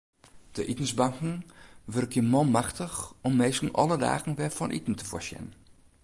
De itensbanken wurkje manmachtich om minsken alle dagen wer fan iten te foarsjen.